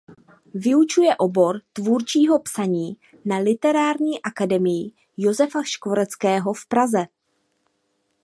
Vyučuje obor tvůrčího psaní na Literární akademii Josefa Škvoreckého v Praze.